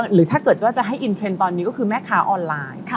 หรือถ้าเกิดว่าจะให้อินเทรนด์ตอนนี้ก็คือแม่ค้าออนไลน์